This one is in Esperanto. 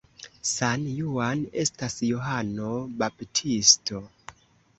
San Juan estas Johano Baptisto.